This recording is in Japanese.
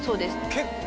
結構。